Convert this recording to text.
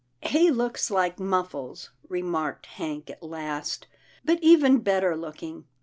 " He looks like Muffles," remarked Hank at last, " but even better looking.